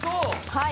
はい。